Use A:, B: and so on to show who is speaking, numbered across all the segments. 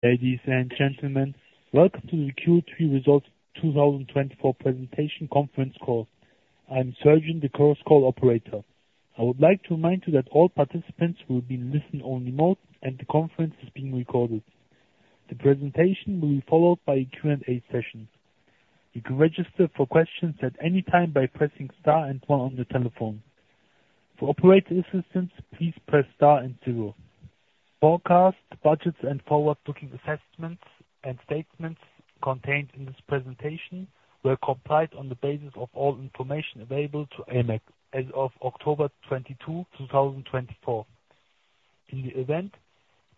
A: Ladies and gentlemen, welcome to the Q3 Results 2024 Presentation Conference Call. I'm Sarjan, the Chorus Call operator. I would like to remind you that all participants will be in listen-only mode and the conference is being recorded. The presentation will be followed by a Q&A session. You can register for questions at any time by pressing star and one on the telephone. For operator assistance, please press star and zero. Forecasts, budgets, and forward-looking assessments and statements contained in this presentation were compiled on the basis of all information available to AMAG as of October 22, 2024. In the event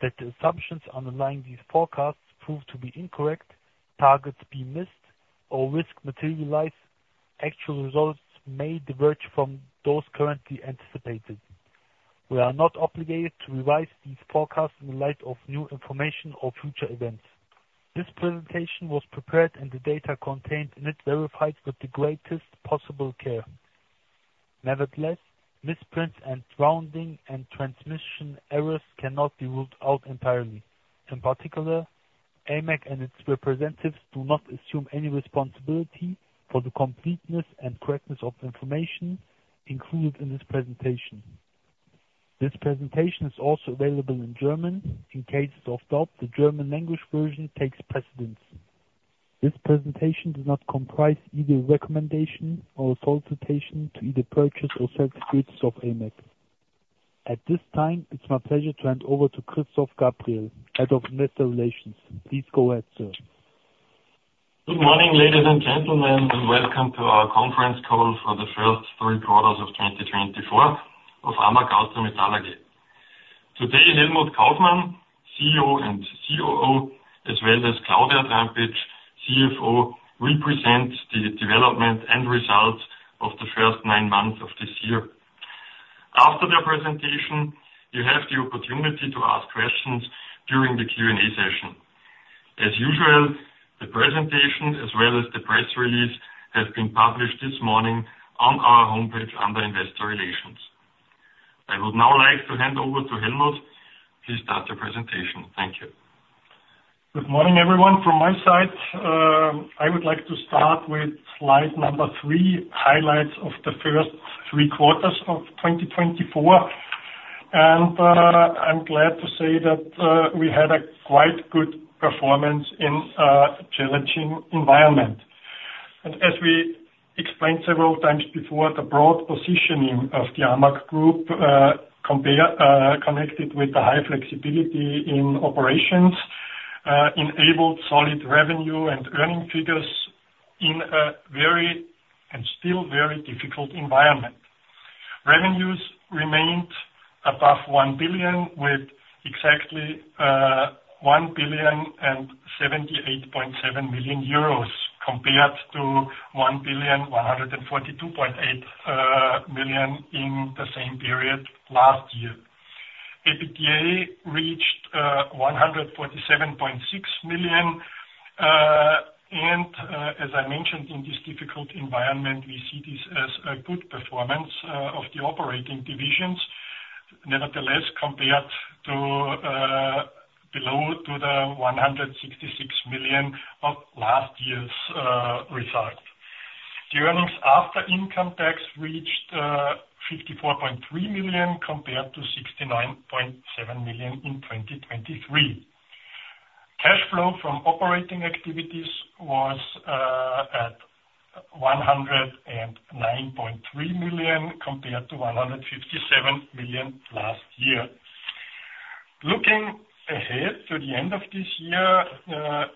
A: that the assumptions underlying these forecasts prove to be incorrect, targets be missed, or risk materialize, actual results may diverge from those currently anticipated. We are not obligated to revise these forecasts in light of new information or future events. This presentation was prepared and the data contained in it verified with the greatest possible care. Nevertheless, misprints and rounding and transmission errors cannot be ruled out entirely. In particular, AMAG and its representatives do not assume any responsibility for the completeness and correctness of the information included in this presentation. This presentation is also available in German. In cases of doubt, the German language version takes precedence. This presentation does not comprise either recommendation or a solicitation to either purchase or sell the goods of AMAG. At this time, it's my pleasure to hand over to Christoph Gabriel, Head of Investor Relations. Please go ahead, sir.
B: Good morning, ladies and gentlemen, and welcome to our conference call for the first three quarters of 2024 of AMAG Austria Metall AG. Today, Helmut Kaufmann, CEO and COO, as well as Claudia Trampitsch, CFO, will present the development and results of the first nine months of this year. After the presentation, you have the opportunity to ask questions during the Q&A session. As usual, the presentation, as well as the press release, have been published this morning on our homepage under Investor Relations. I would now like to hand over to Helmut. Please start your presentation. Thank you.
C: Good morning, everyone. From my side, I would like to start with slide number three, highlights of the first three quarters of 2024, and I'm glad to say that we had a quite good performance in a challenging environment. And as we explained several times before, the broad positioning of the AMAG Group, connected with the high flexibility in operations, enabled solid revenue and earning figures in a very and still very difficult environment. Revenues remained above 1 billion, with exactly 1,078.7 million euros compared to 1,142.8 million in the same period last year. EBITDA reached 147.6 million. And as I mentioned, in this difficult environment, we see this as a good performance of the operating divisions. Nevertheless, compared to below the 166 million of last year's result, the earnings after income tax reached 54.3 million compared to 69.7 million in 2023. Cash flow from operating activities was at 109.3 million compared to 157 million last year. Looking ahead to the end of this year,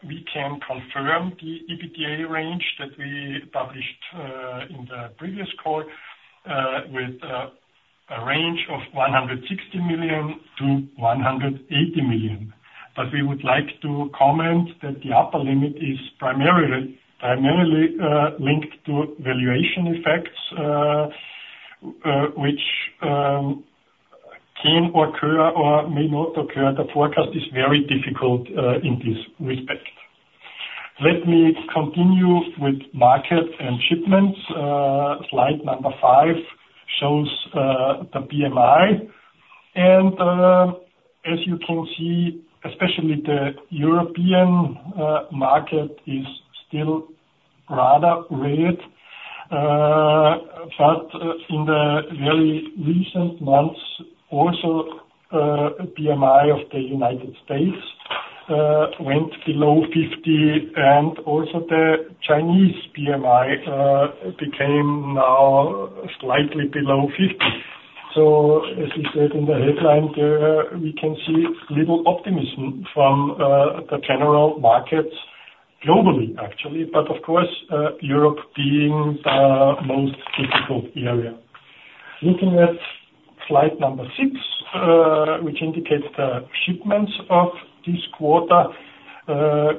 C: we can confirm the EBITDA range that we published in the previous call with a range of 160 million to 180 million. But we would like to comment that the upper limit is primarily linked to valuation effects, which can occur or may not occur. The forecast is very difficult in this respect. Let me continue with market and shipments. Slide number five shows the PMI. And as you can see, especially the European market is still rather red. But in the very recent months, also PMI of the United States went below 50, and also the Chinese PMI became now slightly below 50. So as we said in the headline, we can see little optimism from the general markets globally, actually, but of course, Europe being the most difficult area. Looking at slide number six, which indicates the shipments of this quarter,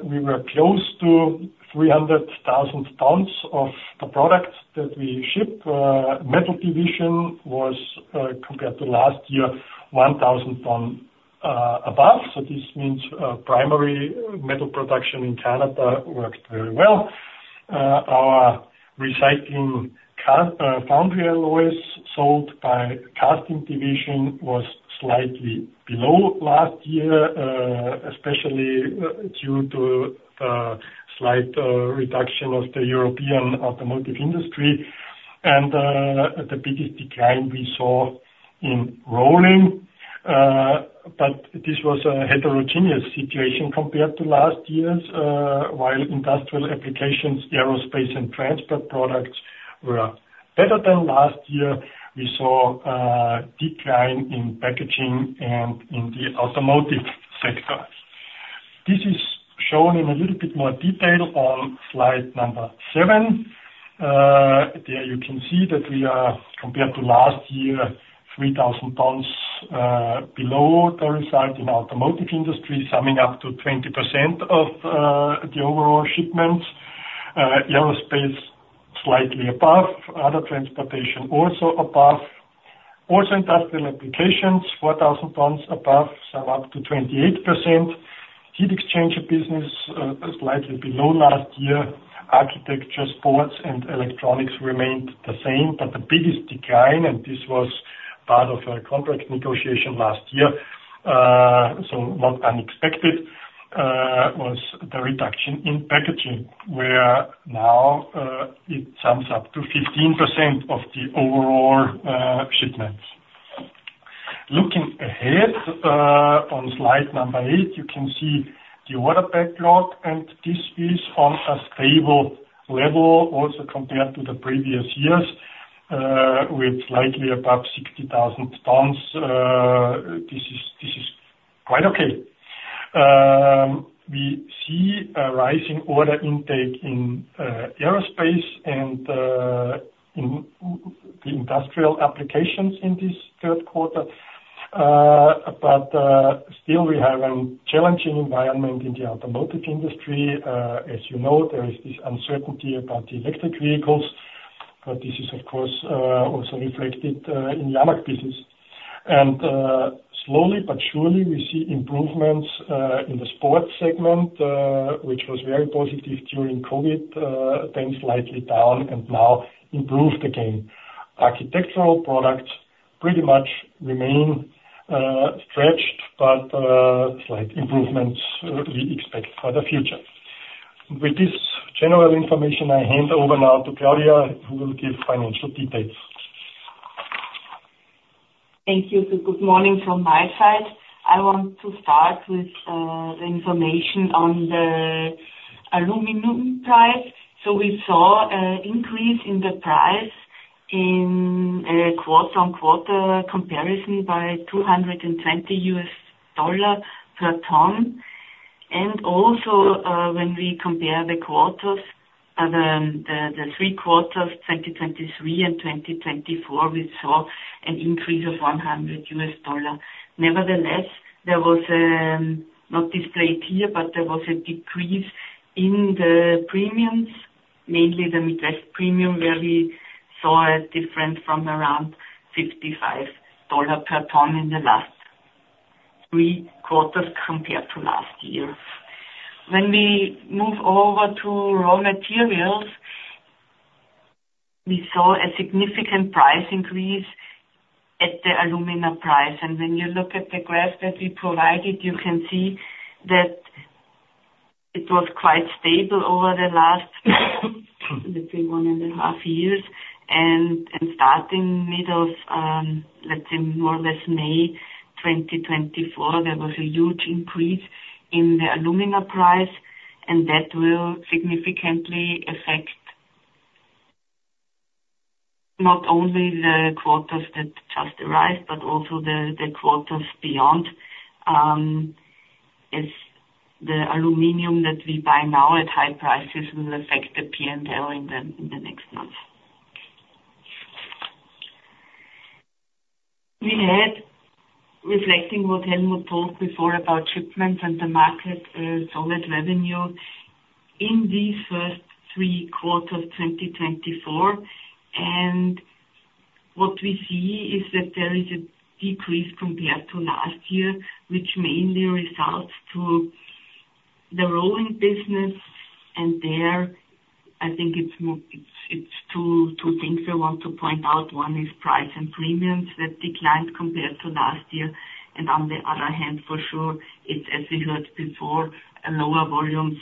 C: we were close to 300,000 tons of the product that we ship. Metal Division was, compared to last year, 1,000 tons above. So this means primary metal production in Canada worked very well. Our recycled foundry alloys sold by Casting Division was slightly below last year, especially due to the slight reduction of the European automotive industry and the biggest decline we saw in rolling. But this was a heterogeneous situation compared to last year. While industrial applications, aerospace, and transport products were better than last year, we saw a decline in packaging and in the automotive sector. This is shown in a little bit more detail on slide number seven. There you can see that we are, compared to last year, 3,000 tons below the result in the automotive industry, summing up to 20% of the overall shipments. Aerospace slightly above, other transportation also above. Also industrial applications, 4,000 tons above, some up to 28%. Heat exchange business slightly below last year. Architecture, sports, and electronics remained the same. But the biggest decline, and this was part of a contract negotiation last year, so not unexpected, was the reduction in packaging, where now it sums up to 15% of the overall shipments. Looking ahead on slide number eight, you can see the order backlog, and this is on a stable level also compared to the previous years, with slightly above 60,000 tons. This is quite okay. We see a rising order intake in aerospace and in the industrial applications in this third quarter. But still, we have a challenging environment in the automotive industry. As you know, there is this uncertainty about the electric vehicles, but this is, of course, also reflected in the AMAG business. And slowly but surely, we see improvements in the sports segment, which was very positive during COVID, then slightly down and now improved again. Architectural products pretty much remain stretched, but slight improvements we expect for the future. With this general information, I hand over now to Claudia, who will give financial details.
D: Thank you. Good morning from my side. I want to start with the information on the aluminum price. We saw an increase in the price in quarter-on-quarter comparison by $220 per ton. Also, when we compare the quarters, the three quarters, 2023 and 2024, we saw an increase of $100. Nevertheless, there was a, not displayed here, but there was a decrease in the premiums, mainly the Midwest Premium, where we saw a difference from around $55 per ton in the last three quarters compared to last year. When we move over to raw materials, we saw a significant price increase at the alumina price. When you look at the graph that we provided, you can see that it was quite stable over the last, let's say, one and a half years. Starting in the middle of, let's say, more or less May 2024, there was a huge increase in the alumina price, and that will significantly affect not only the quarters that just arrived, but also the quarters beyond. The aluminum that we buy now at high prices will affect the P&L in the next months. We had, reflecting what Helmut told before about shipments and the market, solid revenue in these first three quarters of 2024. What we see is that there is a decrease compared to last year, which mainly results in the rolling business. There, I think it's two things we want to point out. One is price and premiums that declined compared to last year. On the other hand, for sure, it's, as we heard before, lower volumes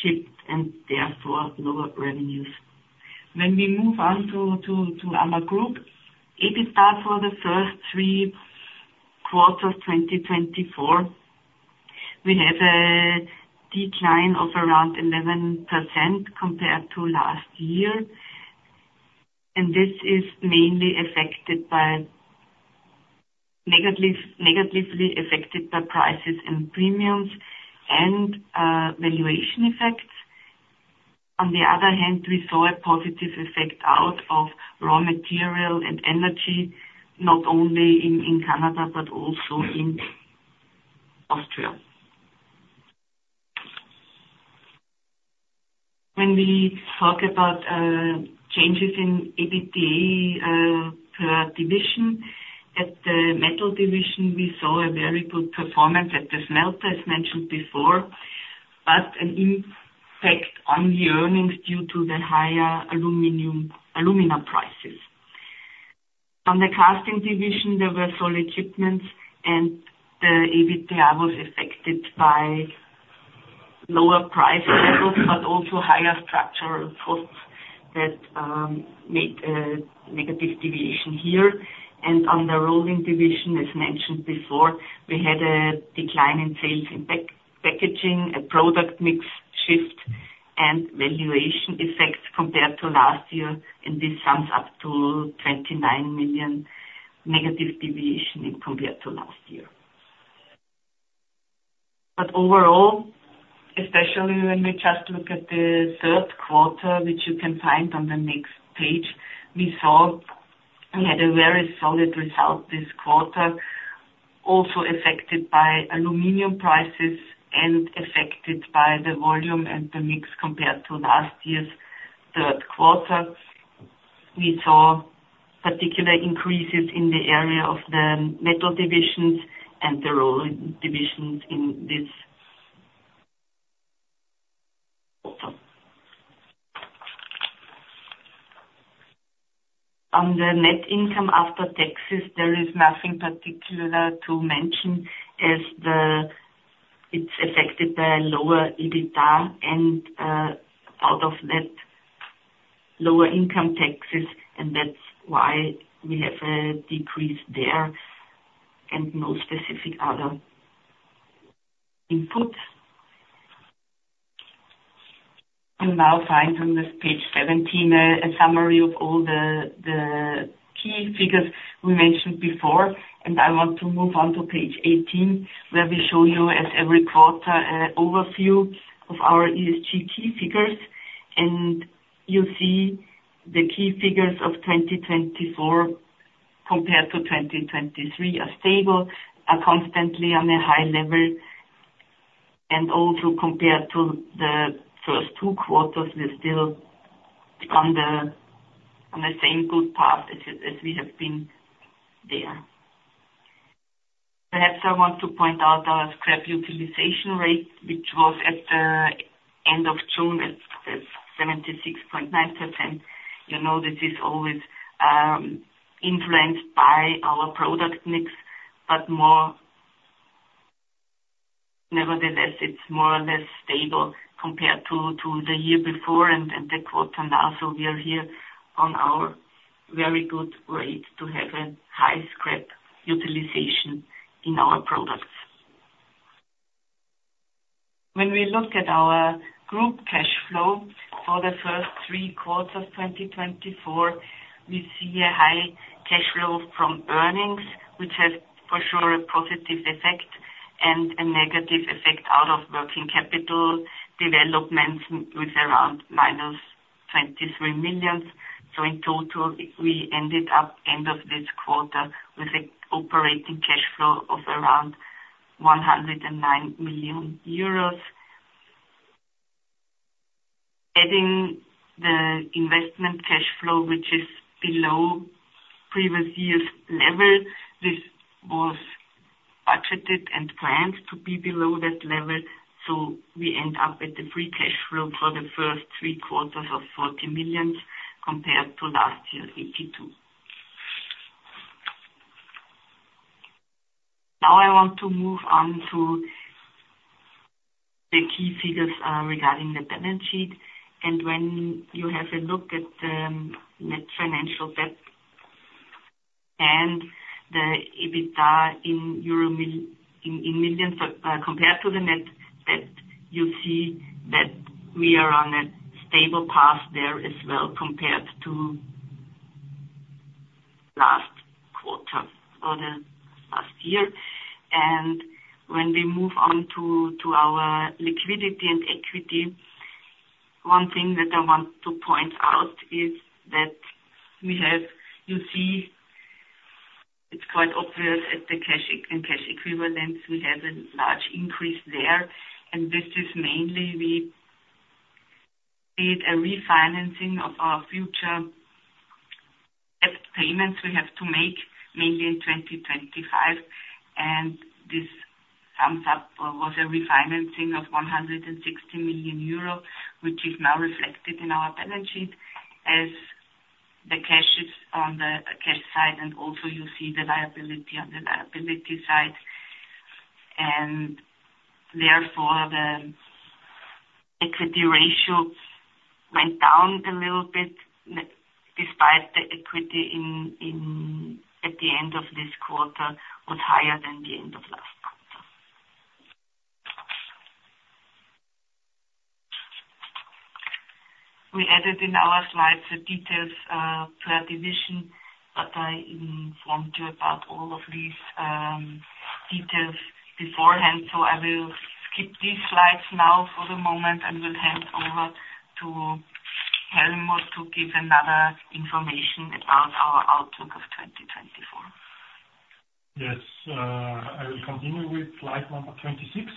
D: shipped and therefore lower revenues. When we move on to AMAG Group, it is that for the first three quarters of 2024, we had a decline of around 11% compared to last year, and this is mainly negatively affected by prices and premiums and valuation effects. On the other hand, we saw a positive effect out of raw material and energy, not only in Canada but also in Austria. When we talk about changes in EBITDA per division, at the Metal Division, we saw a very good performance at the smelter, as mentioned before, but an impact on the earnings due to the higher alumina prices. On the Casting Division, there were solid shipments, and the EBITDA was affected by lower price levels, but also higher structural costs that made a negative deviation here. On the Rolling Division, as mentioned before, we had a decline in sales in packaging, a product mix shift, and valuation effects compared to last year. This sums up to 29 million negative deviation compared to last year. Overall, especially when we just look at the third quarter, which you can find on the next page, we saw we had a very solid result this quarter, also affected by aluminum prices and affected by the volume and the mix compared to last year's third quarter. We saw particular increases in the area of the Metal Divisions and the Rolling Divisions in this quarter. On the net income after taxes, there is nothing particular to mention, as it's affected by a lower EBITDA and out of net lower income taxes, and that's why we have a decrease there and no specific other inputs. You now find on this page 17 a summary of all the key figures we mentioned before. And I want to move on to page 18, where we show you, as every quarter, an overview of our ESG key figures. And you see the key figures of 2024 compared to 2023 are stable, are constantly on a high level. And also compared to the first two quarters, we're still on the same good path as we have been there. Perhaps I want to point out our scrap utilization rate, which was at the end of June at 76.9%. You know this is always influenced by our product mix, but nevertheless, it's more or less stable compared to the year before and the quarter now. So we are here on our very good rate to have a high scrap utilization in our products. When we look at our group cash flow for the first three quarters of 2024, we see a high cash flow from earnings, which has for sure a positive effect and a negative effect out of working capital developments with around minus 23 million EUR. So in total, we ended up at the end of this quarter with an operating cash flow of around 109 million EUR. Adding the investment cash flow, which is below previous year's level, this was budgeted and planned to be below that level. So we end up with a free cash flow for the first three quarters of 40 million EUR compared to last year, 82 million EUR. Now I want to move on to the key figures regarding the balance sheet. When you have a look at the net financial debt and the EBITDA in millions compared to the net debt, you see that we are on a stable path there as well compared to last quarter or the last year. When we move on to our liquidity and equity, one thing that I want to point out is that we have, you see, it's quite obvious at the cash and cash equivalents, we have a large increase there. This is mainly we did a refinancing of our future debt payments we have to make, mainly in 2025. This sums up was a refinancing of 160 million euro, which is now reflected in our balance sheet as the cash is on the cash side. You also see the liability on the liability side. And therefore, the equity ratio went down a little bit despite the equity at the end of this quarter was higher than the end of last quarter. We added in our slides the details per division, but I informed you about all of these details beforehand. So I will skip these slides now for the moment and will hand over to Helmut to give another information about our outlook of 2024.
C: Yes. I will continue with slide number 26.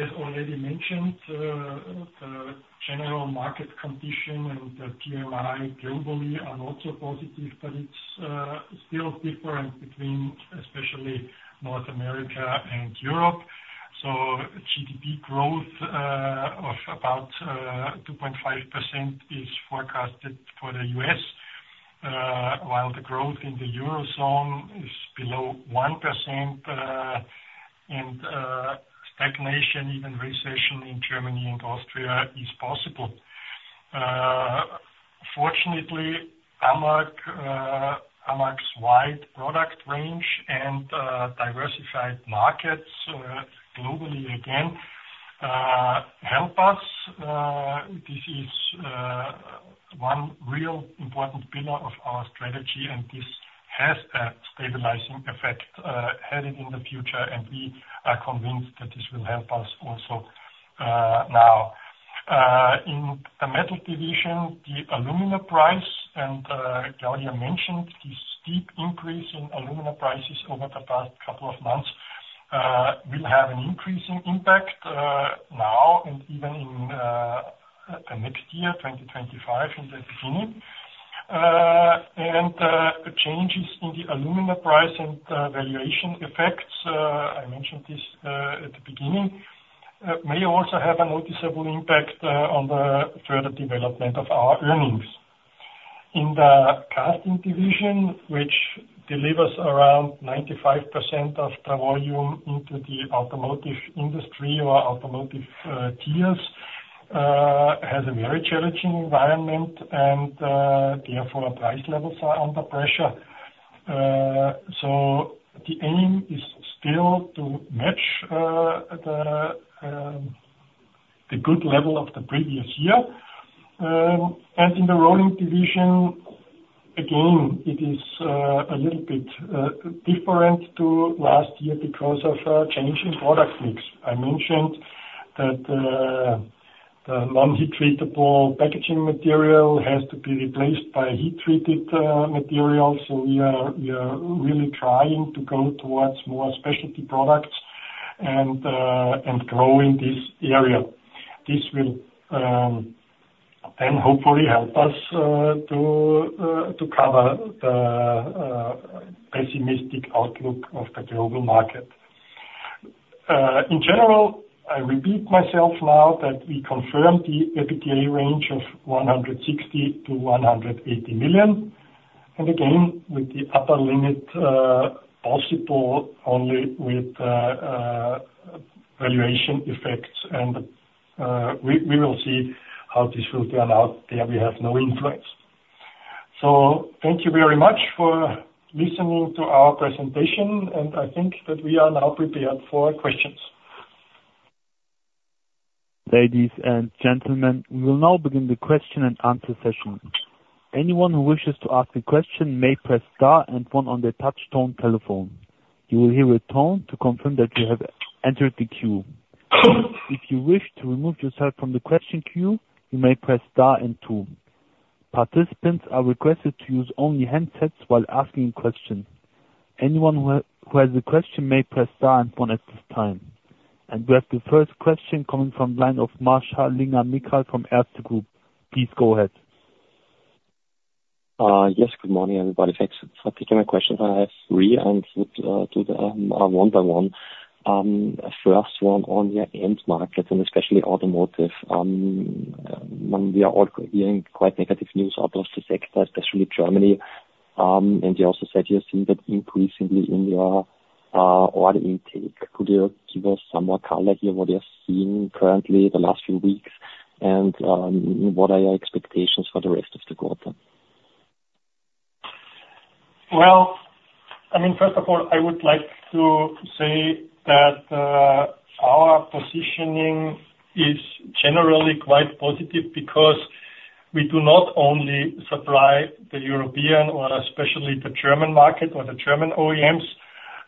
C: As already mentioned, the general market condition and the PMI globally are also positive, but it's still different between especially North America and Europe, so GDP growth of about 2.5% is forecasted for the US, while the growth in the Eurozone is below 1%, and stagnation, even recession in Germany and Austria is possible. Fortunately, AMAG's wide product range and diversified markets globally again help us. This is one real important pillar of our strategy, and this has a stabilizing effect headed in the future, and we are convinced that this will help us also now. In the Metal Division, the alumina price, and Claudia mentioned this steep increase in alumina prices over the past couple of months, will have an increasing impact now and even in the next year, 2025, in the beginning. The changes in the alumina price and valuation effects, which I mentioned at the beginning, may also have a noticeable impact on the further development of our earnings. In the Casting Division, which delivers around 95% of the volume into the automotive industry or automotive tiers, there is a very challenging environment, and therefore price levels are under pressure. The aim is still to match the good level of the previous year. In the Rolling Division, it is a little bit different from last year because of a change in product mix. I mentioned that the non-heat treatable packaging material has to be replaced by heat-treated materials. We are really trying to go towards more specialty products and grow in this area. This will then hopefully help us to cover the pessimistic outlook of the global market. In general, I repeat myself now that we confirmed the EBITDA range of 160-180 million. And again, with the upper limit possible only with valuation effects, and we will see how this will turn out. There we have no influence. So thank you very much for listening to our presentation, and I think that we are now prepared for questions.
A: Ladies and gentlemen, we will now begin the question and answer session. Anyone who wishes to ask a question may press star and one on the touch-tone telephone. You will hear a tone to confirm that you have entered the queue. If you wish to remove yourself from the question queue, you may press star and two. Participants are requested to use only handsets while asking questions. Anyone who has a question may press star and one at this time. And we have the first question coming from the line of Michael Marschall from Erste Group. Please go ahead.
E: Yes, good morning, everybody. Thanks for taking my question. I have three and would do them one by one. First one on the end market and especially automotive. We are all hearing quite negative news across the sector, especially Germany, and you also said you're seeing that increasingly in your order intake. Could you give us some more color here, what you're seeing currently the last few weeks and what are your expectations for the rest of the quarter?
C: Well, I mean, first of all, I would like to say that our positioning is generally quite positive because we do not only supply the European or especially the German market or the German OEMs,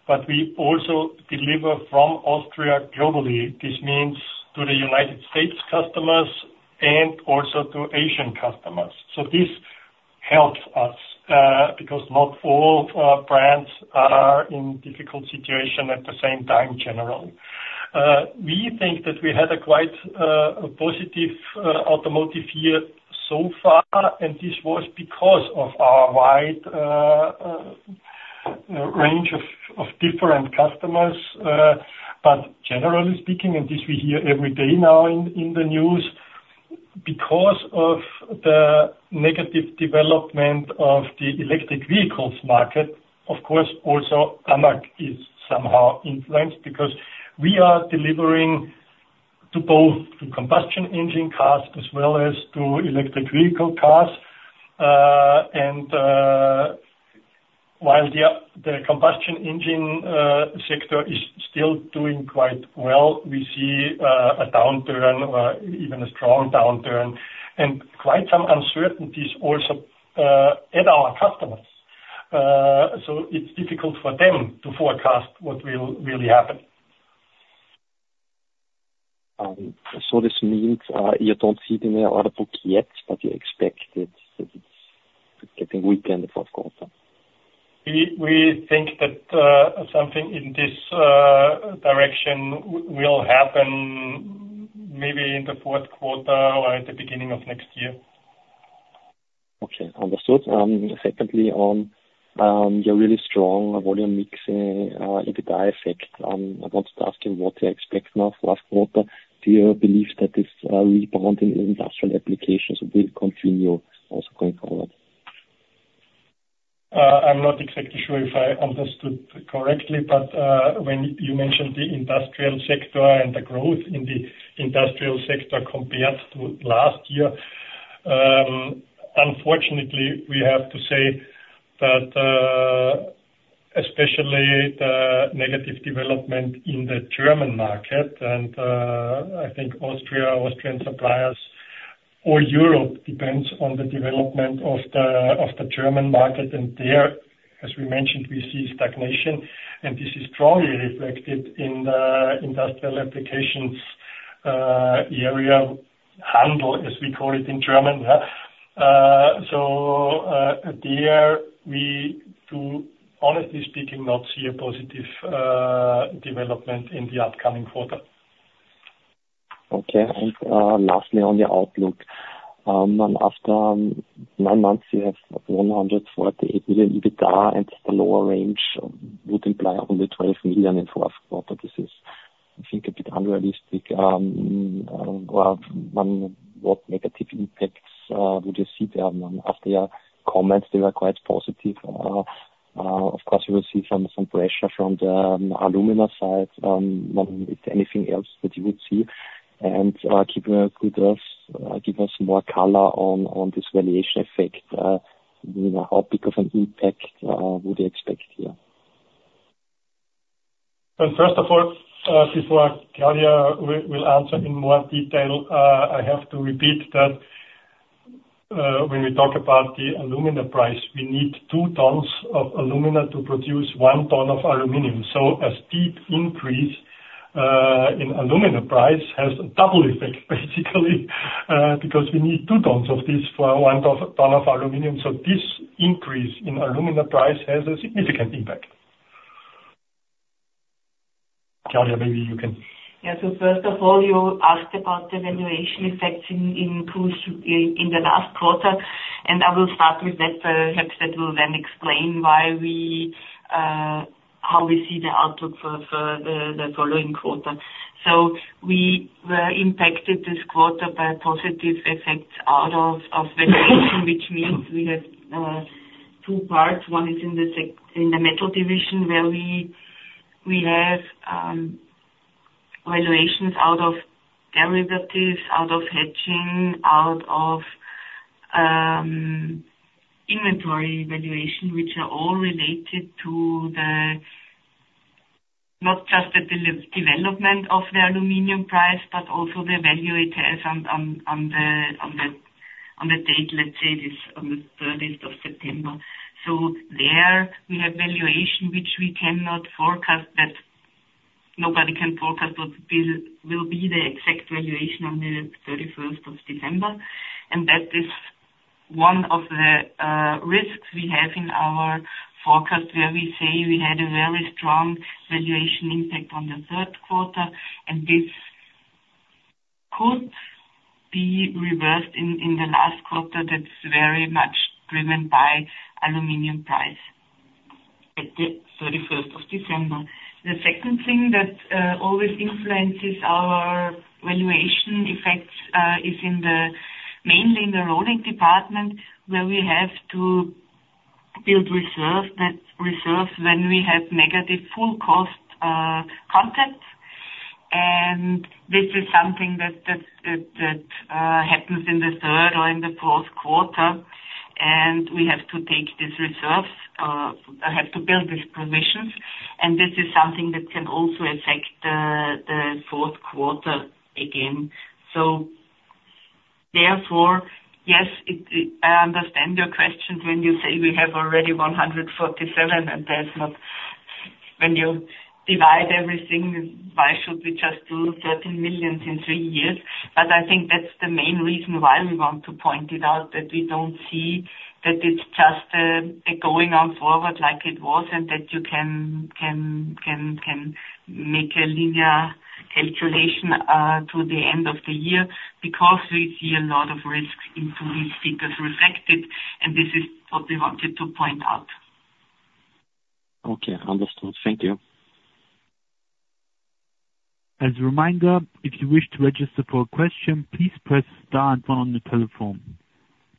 C: but we also deliver from Austria globally. This means to the United States customers and also to Asian customers. So this helps us because not all brands are in a difficult situation at the same time generally. We think that we had a quite positive automotive year so far, and this was because of our wide range of different customers. But generally speaking, and this we hear every day now in the news, because of the negative development of the electric vehicles market, of course, also AMAG is somehow influenced because we are delivering to both combustion engine cars as well as to electric vehicle cars. While the combustion engine sector is still doing quite well, we see a downturn or even a strong downturn and quite some uncertainties also at our customers. So it's difficult for them to forecast what will really happen.
E: So this means you don't see the order book yet, but you expect it to get a weak end for quarter?
C: We think that something in this direction will happen maybe in the fourth quarter or at the beginning of next year.
E: Okay, understood. Secondly, your really strong volume mix in EBITDA effect. I wanted to ask you what you expect now for last quarter. Do you believe that this rebound in industrial applications will continue also going forward?
C: I'm not exactly sure if I understood correctly, but when you mentioned the industrial sector and the growth in the industrial sector compared to last year, unfortunately, we have to say that especially the negative development in the German market, and I think Austria, Austrian suppliers, or Europe depends on the development of the German market. And there, as we mentioned, we see stagnation, and this is strongly reflected in the industrial applications area Handel, as we call it in German. So there, we, to be honestly speaking, not see a positive development in the upcoming quarter.
E: Okay. And lastly, on the outlook, after nine months, you have 104 EBITDA and the lower range would imply only 12 million in fourth quarter. This is, I think, a bit unrealistic. What negative impacts would you see there? After your comments, they were quite positive. Of course, you will see some pressure from the alumina side. Is there anything else that you would see? And give us more color on this valuation effect. How big of an impact would you expect here?
C: First of all, before Claudia will answer in more detail, I have to repeat that when we talk about the alumina price, we need two tons of alumina to produce one ton of aluminum. So a steep increase in alumina price has a double effect, basically, because we need two tons of this for one ton of aluminum. So this increase in alumina price has a significant impact. Claudia, maybe you can.
D: Yeah. So first of all, you asked about the valuation effects in the last quarter. And I will start with that. Perhaps that will then explain how we see the outlook for the following quarter. So we were impacted this quarter by positive effects out of valuation, which means we have two parts. One is in the Metal Division, where we have valuations out of derivatives, out of hedging, out of inventory valuation, which are all related to not just the development of the aluminum price, but also the value it has on the date, let's say, on the 30th of September. So there we have valuation, which we cannot forecast, but nobody can forecast what will be the exact valuation on the 31st of December. That is one of the risks we have in our forecast, where we say we had a very strong valuation impact on the third quarter, and this could be reversed in the last quarter. That's very much driven by aluminum price at the 31st of December. The second thing that always influences our valuation effects is mainly in the rolling department, where we have to build reserves when we have negative full cost context. And this is something that happens in the third or in the fourth quarter, and we have to take these reserves, have to build these positions. And this is something that can also affect the fourth quarter again. So therefore, yes, I understand your question when you say we have already 147, and when you divide everything, why should we just do 13 million in three years? But I think that's the main reason why we want to point it out, that we don't see that it's just going on forward like it was and that you can make a linear calculation to the end of the year because we see a lot of risks into these figures reflected, and this is what we wanted to point out.
E: Okay, understood. Thank you.
A: As a reminder, if you wish to register for a question, please press star and one on the telephone.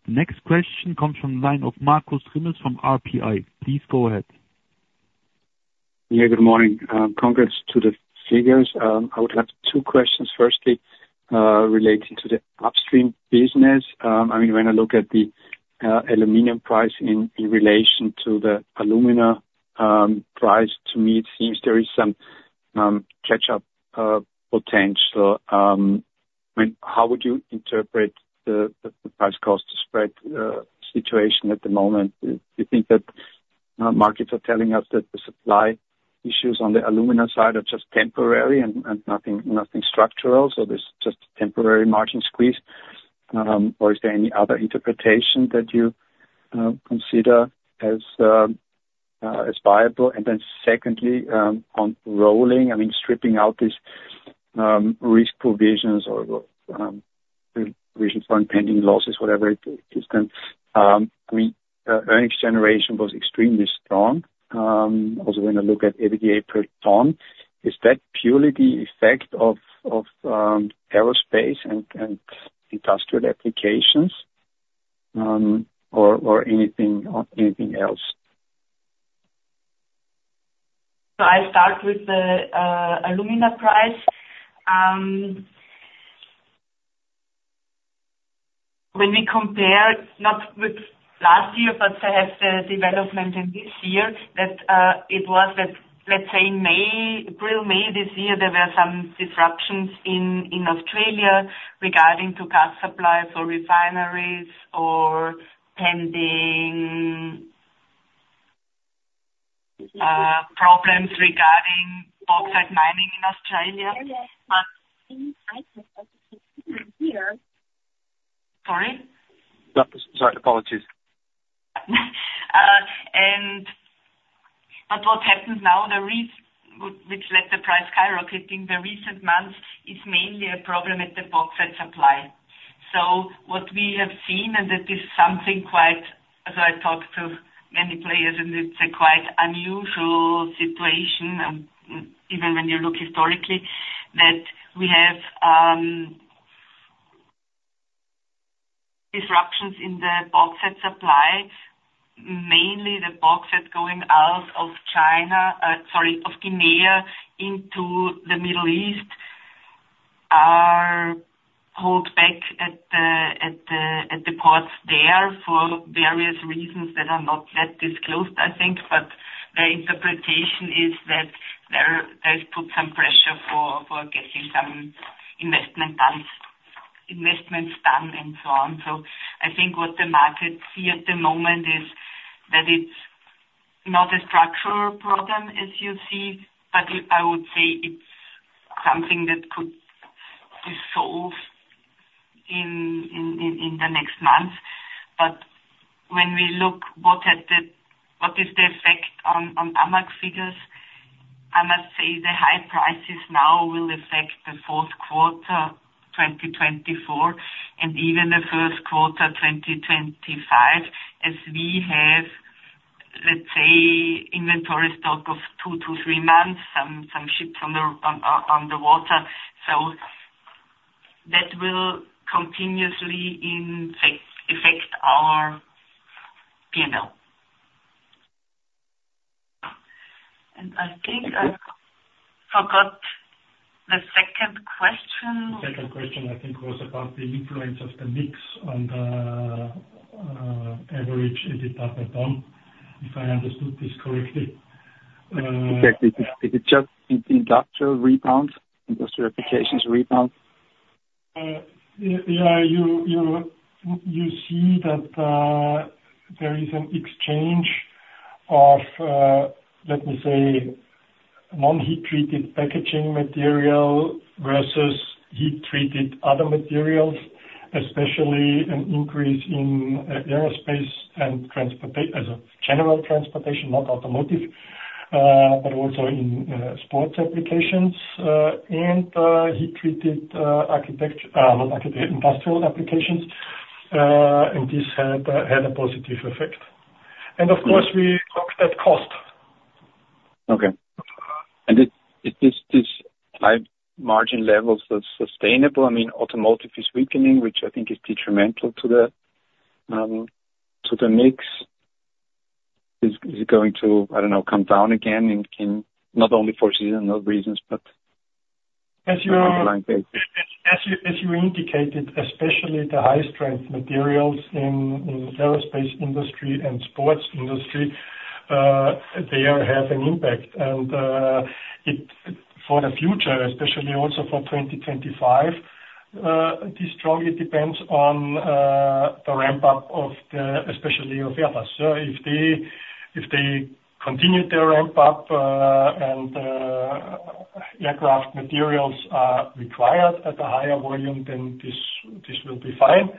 A: The next question comes from the line of Markus Remis from RBI. Please go ahead.
F: Yeah, good morning. Congrats to the figures. I would have two questions. Firstly, relating to the upstream business, I mean, when I look at the aluminum price in relation to the alumina price, to me, it seems there is some catch-up potential. How would you interpret the price-cost spread situation at the moment? Do you think that markets are telling us that the supply issues on the alumina side are just temporary and nothing structural? So there's just a temporary margin squeeze. Or is there any other interpretation that you consider as viable? And then secondly, on rolling, I mean, stripping out these risk provisions or provisions for impending losses, whatever it is, then earnings generation was extremely strong. Also, when I look at EBITDA per ton, is that purely the effect of aerospace and industrial applications or anything else?
D: So I'll start with the alumina price. When we compare, not with last year, but perhaps the development in this year, that it was that, let's say, in April, May this year, there were some disruptions in Australia regarding to gas supply for refineries or pending problems regarding bauxite mining in Australia. But.
F: Sorry? Sorry, apologies.
D: But what's happened now, which led the price skyrocketing in the recent months, is mainly a problem at the bauxite supply. So what we have seen, and that is something quite, so I talked to many players, and it's a quite unusual situation, even when you look historically, that we have disruptions in the bauxite supply, mainly the bauxite going out of China, sorry, of Guinea into the Middle East, are held back at the ports there for various reasons that are not that disclosed, I think. But their interpretation is that they've put some pressure for getting some investment done and so on. So I think what the market sees at the moment is that it's not a structural problem as you see, but I would say it's something that could be solved in the next months. But when we look at what is the effect on AMAG figures, I must say the high prices now will affect the fourth quarter 2024 and even the first quarter 2025, as we have, let's say, inventory stock of two to three months, some ships on the water. So that will continuously affect our P&L. And I think I forgot the second question.
F: Second question, I think, was about the influence of the mix on the average EBITDA per ton, if I understood this correctly. Is it just the industrial rebound, industrial applications rebound?
C: Yeah. You see that there is an exchange of, let me say, non-heat-treated packaging material versus heat-treated other materials, especially an increase in aerospace and transportation, as a general transportation, not automotive, but also in sports applications and heat-treated architecture, not architecture, industrial applications, and this had a positive effect, and of course, we looked at cost.
F: Okay. And are margin levels sustainable? I mean, automotive is weakening, which I think is detrimental to the mix. Is it going to, I don't know, come down again in not only for seasonal reasons, but on a line basis?
C: As you indicated, especially the high-strength materials in the aerospace industry and sports industry, they have an impact. For the future, especially also for 2025, this strongly depends on the ramp-up of the, especially of Airbus. If they continue their ramp-up and aircraft materials are required at a higher volume, then this will be fine.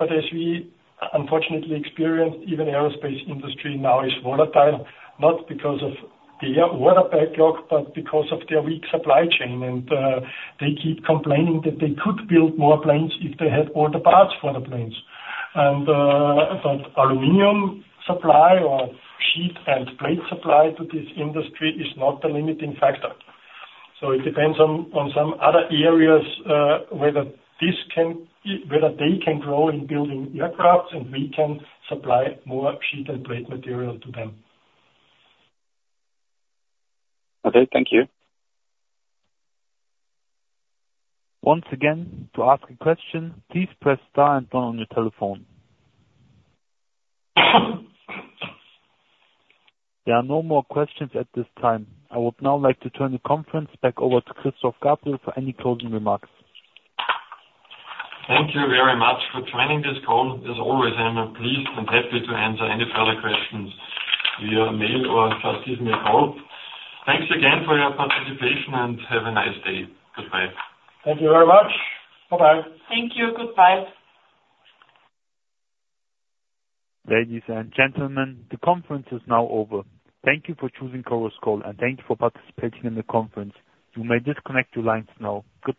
C: We unfortunately experience that even the aerospace industry now is volatile, not because of their order backlog, but because of their weak supply chain. They keep complaining that they could build more planes if they had all the parts for the planes. Aluminum supply or sheet and plate supply to this industry is not the limiting factor. It depends on some other areas whether they can grow in building aircraft and we can supply more sheet and plate material to them.
F: Okay, thank you.
A: Once again, to ask a question, please press star and one on your telephone. There are no more questions at this time. I would now like to turn the conference back over to Christoph Gabriel for any closing remarks.
B: Thank you very much for joining this call. As always, I'm pleased and happy to answer any further questions, via mail or just give me a call. Thanks again for your participation and have a nice day. Goodbye.
C: Thank you very much. Bye-bye.
D: Thank you. Goodbye.
A: Ladies and gentlemen, the conference is now over. Thank you for choosing Chorus Call and thank you for participating in the conference. You may disconnect your lines now. Good.